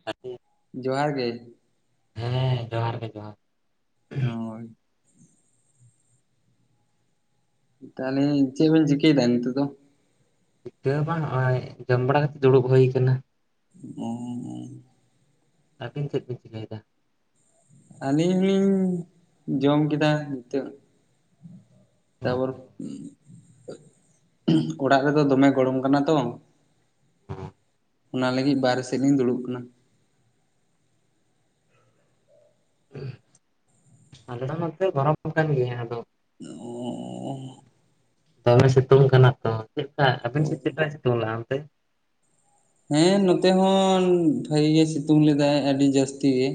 [unintelligible] ᱡᱚᱦᱟᱨ ᱜᱮ᱾ ᱦᱮᱸ ᱡᱚᱦᱟᱨ ᱜᱮ ᱡᱚᱦᱟᱨ ᱦᱚᱸᱭ᱾ ᱛᱟᱦᱞᱮ ᱪᱮᱜ ᱵᱮᱱ ᱪᱤᱠᱟᱹᱭ ᱫᱟ ᱱᱤᱛᱳᱜ ᱫᱚ? ᱪᱤᱠᱟᱹ ᱦᱚᱸ ᱵᱟᱝ, ᱱᱚᱸᱜᱼᱚᱭ ᱡᱚᱢ ᱵᱟᱲᱟ ᱠᱟᱛᱮᱫ ᱫᱩᱲᱩᱵ ᱦᱩᱭ ᱠᱟᱱᱟ᱾ ᱚᱸᱻ ᱟᱹᱵᱤᱱ ᱪᱮᱫ ᱵᱤᱱ ᱪᱤᱠᱟᱹᱭᱮᱫᱟ? ᱟᱹᱞᱤᱧ ᱦᱚᱸᱞᱤᱧ ᱡᱚᱢ ᱠᱮᱫᱟ ᱱᱤᱛᱳᱜ᱾ ᱛᱟᱯᱚᱨ ᱚᱲᱟᱜ ᱨᱮᱫᱚ ᱫᱚᱢᱮ ᱜᱚᱲᱚᱢ ᱠᱟᱱᱟ ᱛᱚ᱾ ᱚᱱᱟ ᱞᱟᱹᱜᱤᱫ ᱵᱟᱨᱦᱮ ᱥᱮᱫ ᱞᱤᱧ ᱫᱩᱲᱩᱵ ᱠᱟᱱᱟ᱾ ᱟᱞᱮ ᱦᱚᱸ ᱱᱚᱛᱮ ᱜᱚᱨᱚᱢ ᱠᱟᱱ ᱜᱮᱭᱟ, ᱟᱫᱚ -ᱼ ᱚᱸᱻ᱾ ᱫᱚᱢᱮ ᱥᱤᱛᱩᱝ ᱠᱟᱱᱟ ᱛᱚ, ᱪᱮᱫ ᱠᱟ ᱟᱹᱵᱤᱱ ᱥᱮᱫ ᱪᱮᱫ ᱠᱟᱭ ᱥᱤᱛᱩᱝ ᱞᱟᱜᱼᱟ ᱚᱱᱛᱮ? ᱦᱮᱸ ᱱᱚᱛᱮ ᱦᱚᱸ ᱵᱷᱟᱹᱜᱤ ᱜᱮ ᱥᱤᱛᱩᱝ ᱞᱮᱫᱟᱭ, ᱟᱹᱰᱤ ᱡᱟᱹᱥᱛᱤ ᱜᱮ᱾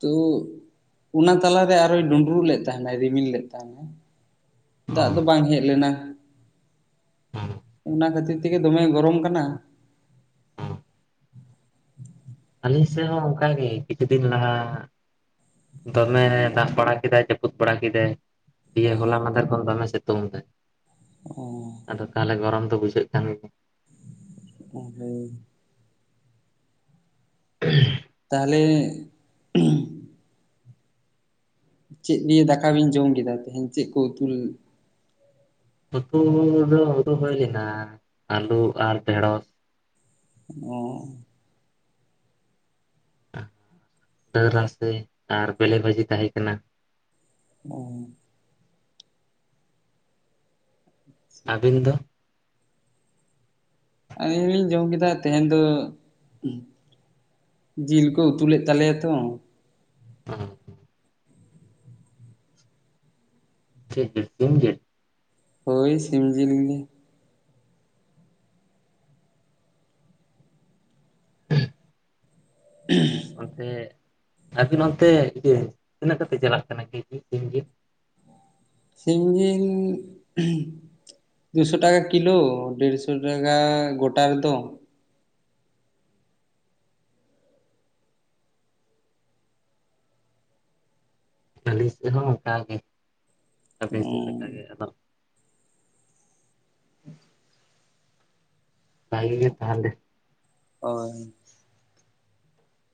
ᱛᱚ ᱚᱱᱟ ᱛᱟᱞᱟᱨᱮ ᱟᱨᱚᱭ ᱰᱩᱸᱰᱨᱩᱜ ᱞᱮᱫ ᱛᱟᱦᱮᱱᱟᱭ ᱨᱤᱢᱤᱞ ᱞᱮᱫ ᱛᱟᱦᱮᱱᱟᱭ᱾ ᱫᱟᱜ ᱫᱚ ᱵᱟᱝ ᱦᱮᱡ ᱞᱮᱱᱟ [inaudible] ᱚᱱᱟ ᱠᱷᱟᱹᱛᱤᱨ ᱛᱮ ᱛᱮᱜᱮ ᱫᱚᱢᱮ ᱜᱚᱨᱚᱢ ᱠᱟᱱᱟ᱾ ᱟᱞᱮ ᱥᱮᱫ ᱦᱚᱸ ᱚᱱᱠᱟᱜᱮ ᱠᱤᱪᱷᱩ ᱫᱤᱱ ᱞᱟᱦᱟ ᱫᱚᱢᱮ ᱚ ᱫᱟᱜ ᱵᱟᱲᱟ ᱠᱮᱫᱟᱭ᱾ ᱡᱟᱹᱯᱩᱫ ᱵᱟᱲᱟ ᱠᱮᱫᱟᱭ ᱫᱤᱭᱮ ᱦᱚᱞᱟ ᱢᱟᱫᱷᱮᱨ ᱠᱷᱚᱱ ᱫᱚᱢᱮ ᱥᱤᱛᱩᱝ ᱫᱟᱭ᱾ ᱚᱻ ᱟᱫᱚ ᱛᱟᱦᱚᱞᱮ ᱜᱚᱨᱚᱢ ᱫᱚ ᱵᱩᱡᱷᱟᱹᱜ ᱠᱟᱱ ᱜᱮᱭᱟ᱾ [inaudible] [unintelligible] ᱛᱟᱦᱚᱞᱮ ᱪᱮᱫ ᱫᱤᱭᱮ ᱫᱟᱠᱟ ᱵᱤᱱ ᱡᱚᱢ ᱠᱮᱫᱟ ᱛᱮᱦᱮᱧ ᱪᱮᱫ ᱠᱚ ᱩᱛᱩ ᱩᱛᱩ ᱫᱚ ᱩᱛᱩ ᱦᱩᱭ ᱞᱮᱱᱟ ᱟᱹᱞᱩ ᱟᱨ ᱰᱷᱮᱲᱚᱥ᱾ ᱚᱻ ᱨᱟᱥᱮ ᱟᱨ ᱵᱮᱞᱮ ᱵᱷᱟᱹᱡᱤ ᱛᱟᱦᱮᱸ ᱠᱟᱱᱟ᱾ ᱚᱻ ᱟᱵᱤᱱ ᱫᱚ? ᱟᱹᱞᱤᱧ ᱦᱚᱞᱤᱧ ᱡᱚᱢ ᱠᱮᱫᱟ ᱛᱮᱦᱮᱧ ᱫᱚ ᱡᱤᱞ ᱠᱚ ᱩᱛᱩ ᱞᱮᱫ ᱛᱟᱞᱮᱭᱟ ᱛᱚ᱾ ᱚᱻ ᱪᱮᱫ ᱡᱮᱞ ᱥᱤᱢ ᱡᱮᱞ? ᱦᱳᱭ ᱥᱤᱢ ᱡᱤᱞ ᱜᱮ᱾ [unintelligible] ᱚᱱᱛᱮ ᱟᱹᱵᱤᱱ ᱚᱱᱛᱮ ᱤᱭᱟᱹ ᱛᱤᱱᱟᱹᱜ ᱠᱟᱛᱮ ᱪᱟᱞᱟᱜ ᱠᱟᱱᱟ ᱠᱮᱡᱤ ᱥᱤᱢ ᱡᱤᱞ? ᱥᱤᱢ ᱡᱤᱞ ᱫᱩᱥᱚ ᱴᱟᱠᱟ ᱠᱤᱞᱳ ᱰᱮᱲᱥᱚ ᱴᱟᱠᱟ ᱜᱚᱴᱟ ᱨᱮᱫᱚ᱾ ᱟᱞᱤᱧ ᱥᱮᱫ ᱦᱚᱸ ᱚᱱᱠᱟ ᱜᱮ ᱟᱵᱮᱱ ᱥᱮᱫ ᱞᱮᱠᱟ ᱜᱮ ᱟᱫᱚ ᱵᱟᱜᱤ ᱜᱮ ᱛᱟᱦᱚᱞᱮ᱾ ᱦᱳᱭ,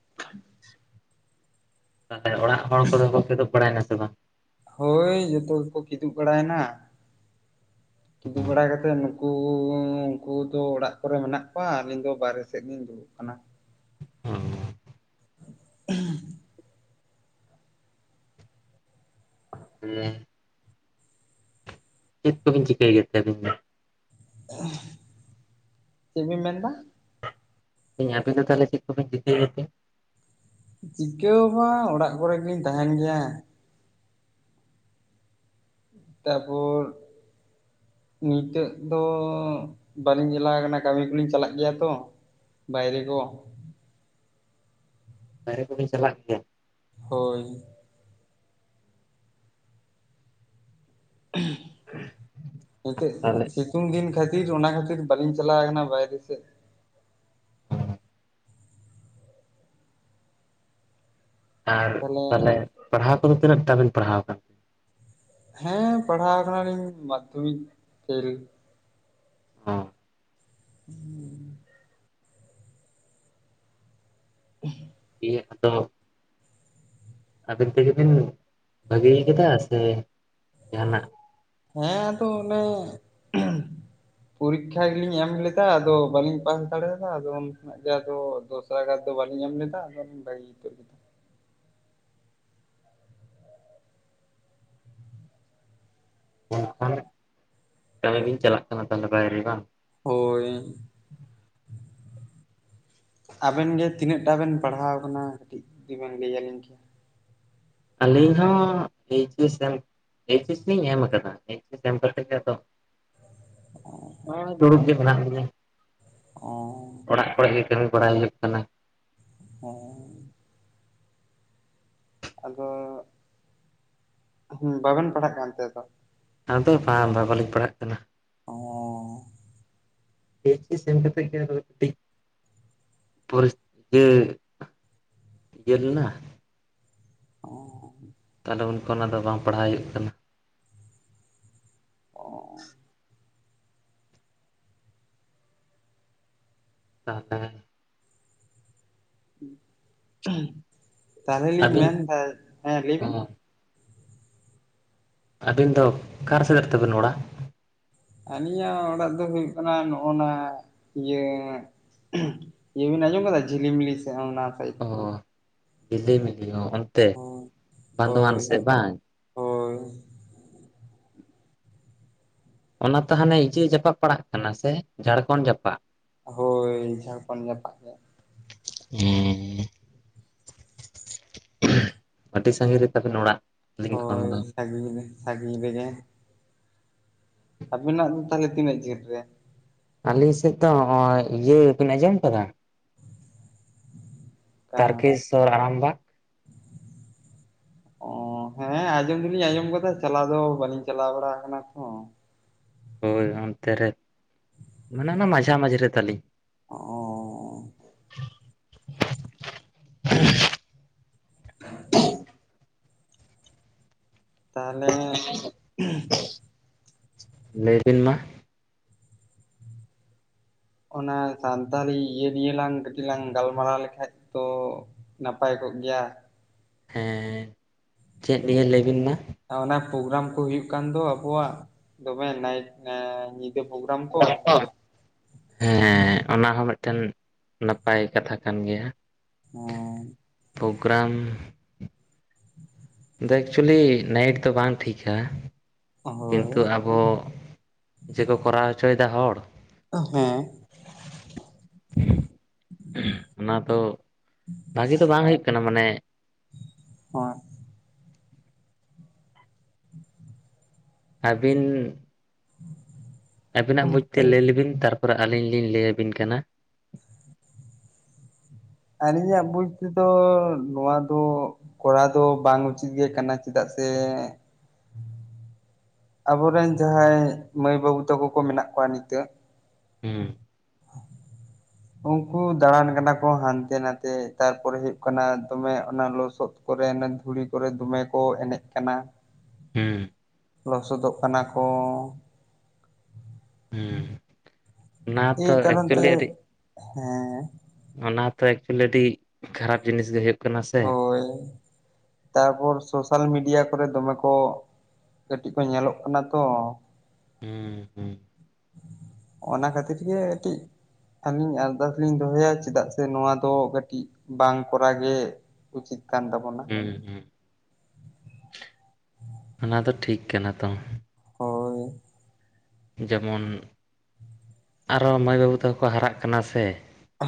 [inaudible] ᱛᱟᱦᱚᱞᱮ ᱚᱲᱟᱜ ᱦᱚᱲ ᱠᱚᱫᱚ ᱠᱚ ᱠᱤᱫᱩᱵ ᱵᱟᱲᱟᱭᱱᱟ ᱥᱮ ᱵᱟᱝ? ᱦᱳᱭ ᱡᱚᱛᱚ ᱜᱮᱠᱚ ᱠᱤᱫᱩᱵ ᱵᱟᱲᱟᱭᱮᱱᱟ᱾ ᱠᱤᱫᱩᱜ ᱵᱟᱲᱟ ᱠᱟᱛᱮᱫ ᱩᱱᱠᱩ ᱩᱱᱠᱩ ᱫᱚ ᱚᱲᱟᱜ ᱠᱚᱨᱮ ᱢᱮᱱᱟᱜ ᱠᱚᱣᱟ ᱟᱹᱞᱤᱧ ᱫᱚ ᱵᱟᱨᱦᱮ ᱥᱮᱫ ᱞᱤᱧ ᱫᱩᱲᱩᱵ ᱠᱟᱱᱟ᱾ ᱚᱻ [unintelligible] [unintelligible] ᱪᱮᱫ ᱠᱚᱵᱤᱱ ᱪᱤᱠᱟᱹᱭ ᱜᱮᱛᱮ ᱟᱹᱵᱤᱱ ᱫᱚ? ᱪᱮᱫ ᱵᱤᱱ ᱢᱮᱱᱫᱟ? ᱫᱟᱹᱧ ᱟᱯᱮ ᱫᱚ ᱛᱟᱦᱚᱞᱮ ᱪᱮᱫ ᱠᱚ ᱯᱮ ᱪᱤᱠᱟᱹᱭ ᱜᱮ ᱛᱮ? ᱪᱤᱠᱟᱹ ᱦᱚᱸ ᱵᱟᱝ ᱚᱲᱟᱜ ᱠᱚᱨᱮ ᱜᱮᱞᱤᱧ ᱛᱟᱦᱮᱱ ᱜᱮᱭᱟ᱾ ᱛᱟᱯᱚᱨ ᱱᱤᱛᱚᱜ ᱫᱚ ᱵᱟᱹᱞᱤᱧ ᱪᱟᱞᱟᱣ ᱟᱠᱟᱱᱟ ᱠᱟᱹᱢᱤ ᱠᱚᱞᱤᱧ ᱪᱟᱞᱟᱜ ᱜᱮᱭᱟ ᱛᱚ᱾ ᱵᱟᱭᱨᱮ ᱠᱚ, ᱵᱟᱦᱨᱮ ᱠᱚᱵᱮᱱ ᱪᱟᱞᱟᱜ ᱜᱮᱭᱟ? ᱦᱳᱭ, ᱛᱟᱦᱚᱞᱮ [inaudible] ᱛᱩᱝ ᱫᱤᱱ ᱠᱷᱟᱹᱛᱤᱨ ᱚᱱᱟ ᱠᱷᱟᱹᱛᱤᱨ ᱵᱟᱞᱤᱧ ᱪᱟᱞᱟᱣ ᱠᱟᱱᱟ ᱵᱟᱭᱨᱮ ᱥᱮᱫ ᱾ ᱟᱨ ᱛᱟᱦᱚᱞᱮ ᱛᱟᱞᱦᱮ ᱯᱟᱲᱦᱟᱣ ᱠᱚᱫᱚ ᱛᱤᱱᱟᱹᱜᱴᱟ ᱵᱤᱱ ᱯᱟᱲᱦᱟᱣ ᱠᱟᱱ? ᱦᱮᱸ ᱯᱟᱲᱦᱟᱣ ᱟᱠᱟᱱᱟᱞᱤᱧ ᱢᱟᱫᱽᱫᱷᱚᱢᱤᱠ ᱯᱷᱮᱞ ᱾ ᱚ, [inaudible] [inaudible] ᱤᱭᱟᱹ ᱟᱫᱚ ᱟᱵᱤᱱ ᱛᱮᱜᱮ ᱵᱤᱱ ᱵᱷᱟᱹᱜᱤᱭ ᱠᱟᱫᱟ ᱥᱮ ᱡᱟᱦᱟᱱᱟᱜ ᱦᱮᱸ ᱟᱫᱚ ᱚᱱᱮ [inaudible] ᱯᱚᱨᱤᱠᱠᱷᱟ ᱜᱮᱞᱤᱧ ᱮᱢ ᱞᱮᱫᱟ ᱟᱫᱚ ᱵᱟᱹᱞᱤᱧ ᱯᱟᱥ ᱫᱟᱲᱮᱭᱟᱫᱟ ᱟᱫᱚ ᱦᱟᱸᱜ ᱜᱮ ᱟᱫᱚ ᱫᱚᱥᱟᱨ ᱜᱟᱨ ᱫᱚ ᱵᱟᱞᱤᱧ ᱮᱢ ᱞᱮᱫᱟ ᱟᱫᱚ ᱞᱤᱧ ᱵᱟᱜᱤ ᱩᱛᱟᱹᱨ ᱠᱤᱫᱟ ᱾ [inaudible] ᱠᱟᱹᱢᱤ ᱵᱤᱱ ᱪᱟᱞᱟᱜ ᱠᱟᱱᱟ ᱛᱟᱞᱦᱮ ᱵᱟᱭᱨᱮ ᱵᱟᱝ? ᱦᱳ, ᱦᱳᱭ ᱮᱱ, ᱟᱵᱮᱱ ᱜᱮ ᱛᱤᱱᱟᱹᱜᱴᱟ ᱵᱮᱱ ᱯᱟᱲᱦᱟᱣ ᱠᱟᱱᱟ ᱠᱟᱹᱴᱤᱡ ᱡᱩᱫᱤ ᱵᱮᱱ ᱞᱟᱹᱭ ᱟᱹᱞᱤᱧ ᱠᱮᱭᱟ? ᱟᱹᱞᱤᱧ ᱦᱚᱸ H S M H S ᱞᱤᱧ ᱮᱢ ᱟᱠᱟᱫᱟ ᱮᱭᱤᱪ ᱮᱥ ᱮᱢ ᱠᱟᱛᱮ ᱜᱮ ᱟᱫᱚ ᱦᱚᱜᱼᱚᱭ ᱫᱩᱲᱩᱵ ᱜᱮ ᱢᱮᱱᱟᱜ ᱞᱤᱧᱟ ᱾ ᱚᱻ ᱚᱲᱟᱜ ᱠᱚᱨᱮ ᱜᱮ ᱠᱟᱹᱢᱤ ᱵᱟᱲᱟ ᱦᱩᱭᱩᱜ ᱠᱟᱱᱟ ᱾ ᱦᱚᱸᱻ ᱟᱫᱚ ᱦᱩᱸ ᱵᱟᱵᱮᱱ ᱯᱟᱲᱦᱟᱜ ᱠᱟᱱᱛᱮ ᱟᱫᱚ? ᱟᱫᱚ ᱵᱟᱝ ᱵᱟ ᱵᱟᱞᱤᱧ ᱯᱟᱲᱦᱟᱜ ᱠᱟᱱᱟ ᱾ ᱚᱻ ᱮᱭᱤᱪ ᱮᱥ ᱮᱢ ᱠᱟᱛᱮ ᱜᱮ ᱟᱫᱚ ᱴᱤᱡ ᱯᱚᱨᱤᱥ [inaudible] ᱤᱭᱟᱹ ᱞᱮᱱᱟ ᱾ [inaudible] ᱛᱟᱞᱮ ᱩᱱ ᱠᱷᱚᱱ ᱟᱫᱚ ᱵᱟᱝ ᱯᱟᱲᱦᱟᱣ ᱦᱩᱭᱩᱜ ᱠᱟᱱᱟ ᱾ ᱚᱻ ᱛᱟᱛᱮ, [inaudible] ᱛᱟᱦᱞᱮ ᱞᱤᱧ ᱟᱹᱵᱤᱱ ᱢᱮᱱᱫᱟ ᱦᱮᱸ ᱞᱟᱹᱭ ᱚ ᱵᱤᱱ? ᱟᱹᱵᱤᱱ ᱫᱚ ᱠᱟᱨ ᱥᱮᱫ ᱛᱟᱵᱮᱱ ᱚᱲᱟᱜ? ᱟᱹᱞᱤᱧᱟᱜ ᱚᱲᱟᱜ ᱫᱚ ᱦᱩᱭᱩᱜ ᱠᱟᱱᱟ ᱱᱚᱜᱼᱚ ᱱᱟ ᱤᱭᱟᱹ [inaudible] ᱤᱭᱟᱹ ᱵᱤᱱ ᱟᱸᱡᱚᱢ ᱠᱟᱫᱟ ᱡᱷᱤᱞᱤᱢᱤᱞᱤ ᱥᱮᱫ ᱚᱱᱟ ᱥᱟᱭᱤᱰ ᱾ ᱚ ᱡᱷᱤᱞᱤᱢᱤᱞᱤ ᱦᱚᱸ ᱚᱱᱛᱮ ᱵᱟᱸᱫᱣᱟᱱ ᱦᱳᱭ ᱥᱮᱫ ᱵᱟᱝ? ᱦᱳᱭ ᱚᱱᱟ ᱛᱚ ᱦᱟᱱᱮ ᱤᱭᱟᱹ ᱡᱟᱯᱟᱜ ᱯᱟᱲᱟᱜ ᱠᱟᱱᱟ ᱥᱮ ᱡᱷᱟᱨᱠᱷᱚᱸᱱᱰ ᱡᱟᱯᱟᱜ? ᱦᱳᱭ ᱡᱷᱟᱨᱠᱷᱚᱸᱱᱰ ᱡᱟᱯᱟᱜ ᱜᱮ ᱾ ᱦᱮᱸ, [inaudible] ᱟᱹᱰᱤ ᱥᱟᱺᱜᱤᱧ ᱨᱮ ᱛᱟᱵᱤᱱ ᱚᱲᱟᱜ ᱾ ᱦᱳᱭ ᱥᱟᱺᱜᱤᱧ ᱨᱮ ᱥᱟᱺᱜᱤᱧ ᱨᱮᱜᱮ ᱾ ᱟᱵᱤᱱᱟᱜ ᱫᱚ ᱛᱟᱦᱚᱞᱮ ᱛᱤᱱᱟᱹᱜ ᱡᱷᱟᱹᱞ ᱨᱮ? ᱟᱹᱞᱤᱧ ᱥᱮᱫ ᱫᱚ ᱱᱚᱜᱼᱚᱭ ᱤᱭᱟᱹ ᱵᱤᱱ ᱟᱸᱡᱚᱢ ᱠᱟᱫᱟ? ᱚᱱᱠᱟ ᱛᱟᱨᱠᱮᱥᱥᱚᱨ ᱟᱨᱟᱢᱵᱟᱜᱽ ᱾ [inaudible] ᱚᱻ ᱦᱮᱸ ᱟᱸᱡᱚᱢ ᱫᱚᱞᱤᱧ ᱟᱸᱡᱚᱢ ᱠᱟᱫᱟ, ᱪᱟᱞᱟᱣ ᱫᱚ ᱵᱟᱹᱞᱤᱧ ᱪᱟᱞᱟᱣ ᱵᱟᱲᱟ ᱠᱟᱱᱟ ᱛᱚ᱾ ᱦᱳᱭ ᱚᱱᱛᱮ ᱨᱮ, ᱢᱟᱱᱮ ᱚᱱᱟ ᱢᱟᱡᱷᱟ ᱢᱟᱡᱷᱮ ᱨᱮ ᱛᱟᱞᱤᱧ᱾ ᱚᱸᱻ ᱛᱟᱦᱚᱞᱮ [inaudible] ᱞᱟᱹᱭ ᱵᱤᱱ ᱢᱟ᱾ ᱚᱱᱟ ᱥᱟᱱᱛᱟᱲᱤ ᱤᱭᱟᱹ ᱱᱤᱭᱮ ᱞᱟᱝ ᱠᱟᱹᱴᱤᱡ ᱞᱟᱝ ᱜᱟᱞᱢᱟᱨᱟᱣ ᱞᱮᱠᱷᱟᱡ ᱛᱚ ᱱᱟᱯᱟᱭ ᱠᱚᱜ ᱜᱮᱭᱟ᱾ ᱦᱮᱸ, ᱪᱮᱫ ᱱᱤᱭᱮᱹ ᱞᱟᱹᱭ ᱵᱤᱱ ᱢᱟ ᱢᱮ ᱚᱱᱟ ᱯᱳᱜᱨᱟᱢ ᱠᱚ ᱦᱩᱭᱩᱜ ᱠᱟᱱ ᱫᱚ ᱟᱵᱚᱣᱟᱜ, ᱫᱚᱢᱮ ᱱᱟᱭᱤᱴ ᱱᱟ [unintelligible] ᱦᱮᱸ, ᱚᱱᱟ ᱦᱚᱸ ᱢᱤᱫᱴᱮᱱ ᱱᱟᱯᱟᱭ ᱠᱟᱛᱷᱟ ᱠᱟᱱ ᱜᱮᱭᱟ᱾ ᱦᱮᱸ᱾ ᱯᱳᱜᱨᱟᱢ [inaudible] ᱮᱠᱪᱩᱭᱮᱞᱤ ᱱᱟᱭᱤᱴ ᱫᱚ ᱵᱟᱝ ᱴᱷᱤᱠᱟ, ᱦᱳᱭ ᱠᱤᱱᱛᱩ ᱟᱵᱚ ᱡᱮᱠᱚ ᱠᱚᱨᱟᱣ ᱦᱚᱪᱚᱭᱮᱫᱟ ᱦᱚᱲ᱾ ᱦᱮᱸ᱾ ᱚᱱᱟ ᱫᱚ ᱵᱷᱟᱜᱮ ᱫᱚ ᱵᱟᱝ ᱦᱩᱭᱩᱜ ᱠᱟᱱᱟ ᱢᱟᱱᱮ ᱦᱚᱸ᱾ ᱟᱹᱵᱤᱱ [inaudible] ᱟᱵᱤᱱᱟᱜ ᱵᱩᱡᱽ ᱛᱮ ᱞᱟᱹᱭ ᱞᱮᱵᱤᱱ, ᱛᱟᱨᱯᱚᱨᱮ ᱟᱹᱞᱤᱧ ᱞᱤᱧ ᱞᱟᱹᱭ ᱟᱵᱤᱱ ᱠᱟᱱᱟ᱾ ᱟᱹᱞᱤᱧᱟᱜ ᱵᱩᱡᱽ ᱛᱮᱫᱚ ᱱᱚᱶᱟ ᱫᱚ ᱠᱚᱨᱟᱣ ᱫᱚ ᱵᱟᱝ ᱩᱪᱤᱛ ᱜᱮ ᱠᱟᱱᱟ, ᱪᱮᱫᱟᱜ ᱥᱮ ᱟᱵᱚ ᱨᱮᱱ ᱡᱟᱦᱟᱸᱭ ᱢᱟᱹᱭ ᱵᱟᱹᱵᱩ ᱛᱟᱠᱚ ᱠᱚ ᱢᱮᱱᱟᱜ ᱠᱚᱣᱟ ᱱᱤᱛᱚᱜ ᱾ ᱦᱩᱸ᱾ ᱩᱱᱠᱩ ᱫᱟᱬᱟᱱ ᱠᱟᱱᱟ ᱠᱚ ᱦᱟᱱᱛᱮ ᱱᱟᱛᱮ, ᱛᱟᱨᱯᱚᱨᱮ ᱦᱩᱭᱩᱜ ᱠᱟᱱᱟ ᱫᱚᱢᱮ ᱚᱱᱟ ᱞᱚᱥᱚᱫ ᱠᱚᱨᱮ ᱚᱱᱮ ᱫᱷᱩᱲᱤ ᱠᱚᱨᱮ ᱫᱚᱢᱮ ᱠᱚ ᱮᱱᱮᱡ ᱠᱟᱱᱟ᱾ ᱦᱩᱸ ᱞᱚᱥᱚᱫᱚᱜ ᱠᱟᱱᱟ ᱠᱚ᱾ ᱦᱩᱸᱻ ᱚᱱᱟ ᱮᱭ ᱛᱚ ᱠᱟᱨᱚᱱ ᱛᱮ ᱮᱠᱪᱩᱭᱮᱞᱤ ᱟᱹᱰᱤ ᱦᱮᱸ ᱚᱱᱟ ᱛᱚ ᱮᱠᱪᱩᱭᱮᱞᱤ ᱟᱹᱰᱤ ᱠᱷᱟᱨᱟᱯ ᱡᱤᱱᱤᱥ ᱜᱮ ᱦᱳᱭᱳᱜ ᱦᱳᱭ᱾ ᱛᱟᱨᱯᱚᱨ ᱥᱳᱥᱟᱞ ᱢᱤᱰᱤᱭᱟ ᱠᱚᱨᱮ ᱫᱚᱢᱮ ᱠᱚ ᱠᱟᱹᱴᱤᱡ ᱠᱚ ᱧᱮᱞᱚᱜ ᱠᱟᱱᱟ ᱛᱚ᱾ ᱦᱩᱸᱻ ᱦᱩᱸ᱾ ᱚᱱᱟ ᱠᱷᱟᱹᱛᱤᱨ ᱜᱮ ᱠᱟᱹᱴᱤᱡ ᱟᱹᱞᱤᱧ ᱟᱨᱫᱟᱥ ᱞᱤᱧ ᱫᱚᱦᱚᱭᱟ, ᱪᱮᱫᱟᱜ ᱥᱮ ᱱᱚᱣᱟ ᱫᱚ ᱠᱟᱹᱴᱤᱡ ᱵᱟᱝ ᱠᱚᱨᱟᱣ ᱜᱮ ᱩᱪᱤᱛ ᱠᱟᱱ ᱛᱟᱵᱚᱱᱟ᱾ ᱦᱩᱸ ᱦᱩᱸ᱾ ᱚᱱᱟ ᱫᱚ ᱴᱷᱤᱠ ᱠᱟᱱᱟ ᱛᱚ᱾ ᱦᱳᱭ᱾ ᱡᱮᱢᱚᱱ ᱟᱨᱚ ᱢᱟᱹᱭ ᱵᱟᱹᱵᱩ ᱛᱟᱠᱚ ᱠᱚ ᱦᱟᱨᱟᱜ ᱠᱟᱱᱟ ᱥᱮ᱾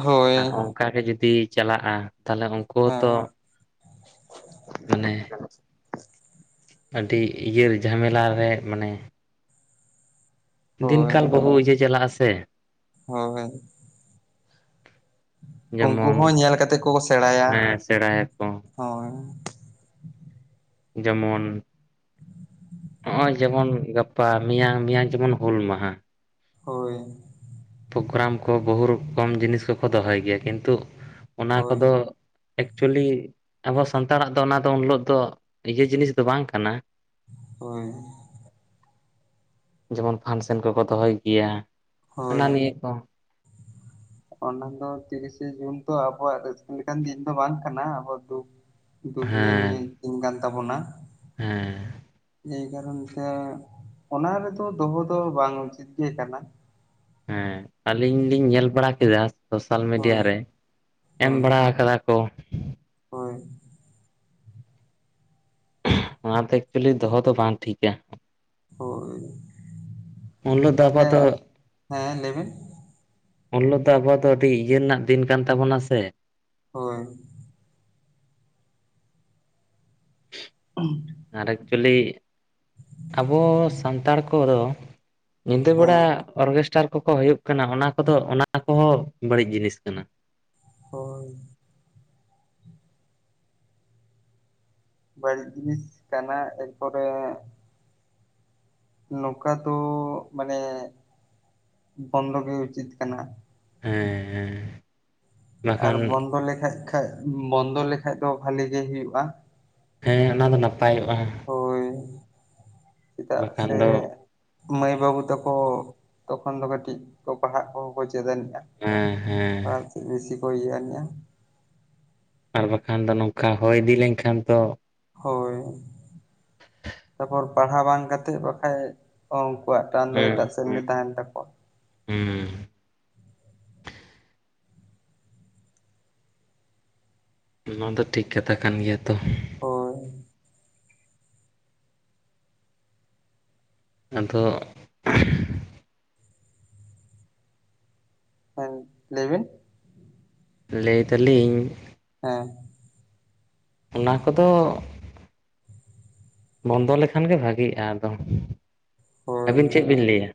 ᱦᱳᱭ ᱚᱱᱠᱟ ᱜᱮ ᱡᱩᱫᱤ ᱪᱟᱞᱟᱜᱼᱟ, ᱛᱟᱦᱞᱮ ᱩᱝᱠᱩ ᱦᱚᱸ ᱦᱮᱸ ᱛᱚ [inaudible] ᱢᱟᱱᱮ [inaudible] ᱟᱹᱰᱤ ᱤᱭᱟᱹ ᱡᱷᱟᱢᱮᱞᱟ ᱨᱮ ᱢᱟᱱᱮ ᱦᱳᱭ ᱫᱤᱱᱠᱟᱞ ᱵᱦᱩ ᱤᱭᱟᱹ ᱪᱟᱞᱟᱜ-ᱟ ᱥᱮ ᱦᱚ ᱦᱳᱭ ᱩᱱᱠᱩ ᱡᱮᱢᱚᱱ ᱦᱚᱸ ᱧᱮᱞ ᱠᱟᱛᱮᱫ ᱠᱚ ᱥᱮᱬᱟᱭᱟ ᱦᱮᱸ ᱥᱮᱬᱟᱭᱟᱠᱚ ᱦᱳᱭ ᱡᱮᱢᱚᱱ ᱱᱚᱜ-ᱚᱭ ᱡᱮᱢᱚᱱ ᱜᱟᱯᱟ ᱢᱮᱭᱟᱝ- ᱢᱮᱭᱟᱝ ᱡᱮᱢᱚᱱ ᱦᱩᱞ ᱢᱟᱦᱟ ᱦᱳᱭ ᱯᱨᱳᱜᱨᱟᱢ ᱠᱚ ᱵᱚᱦᱩᱛ ᱨᱚᱠᱚᱢ ᱡᱤᱱᱤᱥ ᱠᱚᱠᱚ ᱫᱚᱦᱚᱭ ᱜᱮᱭᱟ ᱠᱤᱱᱛᱩ ᱚᱱᱟ ᱦᱳᱭ ᱠᱚᱫᱚ ᱮᱠᱪᱩᱭᱮᱞᱤ ᱟᱵᱚ ᱥᱟᱱᱛᱟᱲᱟᱜ ᱫᱚ ᱚᱱᱟ ᱫᱚ ᱩᱱᱦᱤᱞᱳᱜ ᱫᱚ ᱤᱭᱟᱹ ᱡᱤᱱᱤᱥ ᱫᱚ ᱵᱟᱝ ᱠᱟᱱᱟ ᱦᱳᱭ ᱡᱮᱢᱚᱱ ᱯᱷᱟᱱᱥᱮᱱ ᱠᱚᱠᱚ ᱫᱚᱦᱚᱭ ᱜᱮᱭᱟ ᱦᱳᱭ ᱦᱟᱱᱟ ᱱᱤᱭᱟᱹ ᱠᱚ ᱚᱱᱟ ᱫᱚ ᱛᱤᱨᱤᱥᱮ ᱡᱩᱱ ᱛᱚ ᱟᱵᱚᱣᱟᱜ ᱨᱟᱹᱥᱠᱟᱹ ᱞᱮᱠᱟᱱ ᱫᱤᱱ ᱫᱚ ᱵᱟᱝ ᱠᱟᱱᱟ ᱟᱵᱚᱣᱟᱜ ᱫᱩᱠᱷ ᱫᱟᱹᱵᱤᱭᱟᱹ ᱦᱮᱸ ᱱᱤᱭᱮ ᱫᱤᱱ ᱠᱟᱱ ᱛᱟᱵᱚᱱᱟ᱾ ᱦᱮᱸ ᱮᱭ ᱠᱟᱨᱚᱱ ᱛᱮ ᱚᱱᱟ ᱨᱮᱫᱚ ᱫᱚᱦᱚ ᱫᱚ ᱵᱟᱝ ᱩᱪᱤᱛ ᱜᱮ ᱠᱟᱱᱟ ᱦᱮᱸ ᱟᱹᱞᱤᱧ ᱞᱤᱧ ᱧᱮᱞ ᱵᱟᱲᱟ ᱠᱮᱫᱟ ᱥᱳᱥᱟᱞ ᱢᱤᱰᱤᱭᱟ ᱦᱳᱭ ᱨᱮ ᱮᱢ ᱦᱳᱭ ᱵᱟᱲᱟ ᱟᱠᱟᱫᱟ ᱠᱚ ᱦᱳᱭ ᱚᱱᱟ ᱫᱚ ᱮᱠᱪᱩᱭᱮᱞᱤ ᱫᱚᱦᱚ ᱫᱚ ᱵᱟᱝ ᱴᱷᱤᱠᱟ ᱦᱳᱭ ᱩᱱ ᱦᱤᱞᱳᱜ ᱫᱚ ᱛᱟᱦᱞᱮ ᱟᱵᱚᱣᱟᱜ ᱫᱚ ᱦᱮᱸ ᱞᱟᱹᱭᱵᱤᱱ ᱩᱱᱦᱤᱞᱜ ᱫᱚ ᱟᱵᱚᱣᱟᱜ ᱫᱚ ᱟᱹᱰᱤ ᱤᱭᱟᱹ ᱨᱮᱱᱟᱜ ᱫᱤᱱ ᱠᱟᱱ ᱛᱟᱵᱚᱱᱟ ᱥᱮ ᱦᱳᱭ ᱵᱟᱝ ᱟᱸᱡᱚᱢ ᱴᱷᱤᱠᱟᱹᱜ ᱠᱟᱱᱟ ᱟᱨ ᱮᱠᱪᱩᱭᱮᱞᱤ ᱟᱵᱚ ᱥᱟᱱᱛᱟᱲ ᱠᱚᱫᱚ ᱧᱤᱫᱟᱹ ᱵᱮᱲᱟ ᱦᱮᱸ ᱚᱨᱜᱮᱥᱴᱟᱨ ᱠᱚᱠᱚ ᱦᱩᱭᱩᱜ ᱠᱟᱱᱟ ᱚᱱᱟ ᱠᱚᱫᱚ ᱚᱱᱟ ᱠᱚᱦᱚᱸ ᱵᱟᱹᱲᱤᱡ ᱡᱤᱱᱤᱥ ᱠᱟᱱᱟ᱾ ᱦᱳᱭ ᱵᱟᱹᱲᱤᱡ ᱡᱤᱱᱤᱥ ᱠᱟᱱᱟ ᱮᱠᱯᱚᱨᱮ ᱱᱚᱝᱠᱟ ᱫᱚ ᱢᱟᱱᱮ ᱵᱚᱱᱫᱚ ᱜᱮ ᱩᱪᱤᱛ ᱠᱟᱱᱟ᱾ ᱦᱮᱸᱻᱦᱮᱸ ᱟᱨ ᱵᱚᱱᱫᱚ ᱞᱮᱠᱷᱟᱡ ᱠᱷᱟᱱ ᱵᱚᱱᱫᱚ ᱞᱮᱠᱷᱟᱡ ᱫᱚ ᱵᱷᱟ. ᱞᱤ ᱜᱮ ᱦᱩᱭᱩᱜᱼᱟ᱾ ᱦᱮᱸ ᱚᱱᱟ ᱫᱚ ᱱᱟᱯᱟᱭᱚᱜᱼᱟ᱾ ᱦᱳᱭ ᱪᱮᱫᱟᱜ ᱵᱟᱠᱷᱟᱱ ᱥᱮ ᱫᱚ ᱢᱟᱹᱭ-ᱵᱟᱹᱵᱩ ᱛᱮᱠᱚ ᱛᱚᱠᱷᱚᱱ ᱫᱚ ᱠᱟᱹᱴᱤᱡ ᱯᱟᱲᱦᱟᱜ ᱠᱚᱦᱚᱸ ᱠᱚ ᱪᱮᱫ ᱮᱱᱛᱮ ᱦᱮᱸᱻᱦᱮᱸ ᱟᱨ ᱵᱮᱥᱤ ᱠᱚ ᱤᱭᱟᱹᱜ-ᱟ ᱟᱨ ᱵᱟᱝᱠᱷᱟᱱ ᱫᱚ ᱱᱚᱝᱠᱟ ᱦᱚᱭ ᱤᱫᱤ ᱞᱮᱱᱠᱷᱟᱱ ᱫᱚ ᱦᱚᱭ ᱛᱟᱯᱚᱨ ᱯᱟᱲᱦᱟᱣ ᱵᱟᱝ ᱠᱟᱛᱮᱫ ᱵᱟᱠᱷᱟᱡ ᱚᱱᱠᱩᱣᱟᱜ ᱴᱟᱱ ᱫᱚ ᱦᱮᱸ ᱮᱴᱟ ᱥᱮᱱᱜᱮ ᱦᱮᱸ ᱛᱟᱦᱮᱱ ᱛᱟᱠᱚᱣᱟ ᱦᱮᱸ ᱱᱚᱣᱟ ᱫᱚ ᱴᱷᱤᱠ ᱠᱟᱛᱷᱟ ᱠᱟᱱ ᱜᱮᱭᱟ ᱛᱚ ᱦᱳᱭ ᱟᱫᱚ ᱦᱮᱸ ᱞᱟᱹᱭ ᱵᱤᱱ ᱞᱟᱹᱭ ᱫᱟᱞᱤᱧ ᱦᱮᱸ ᱚᱱᱟ ᱠᱚᱫᱚ ᱵᱚᱱᱫᱚ ᱞᱮᱠᱷᱟᱱ ᱜᱮ ᱵᱷᱟᱜᱤᱜᱼᱟ ᱟᱫᱚ ᱦᱳᱭ ᱟᱹᱵᱤᱱ ᱪᱮᱫ ᱵᱤᱱ ᱞᱟᱹᱭᱟ?